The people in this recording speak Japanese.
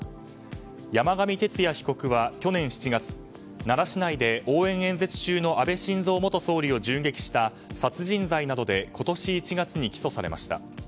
山上徹也被告は去年７月奈良市内で応援演説中の安倍晋三元総理を銃撃した、殺人罪などで今年１月に起訴されました。